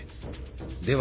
では